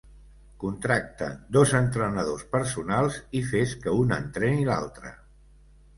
Contracta dos entrenadors personals i fes que un entreni l'altre.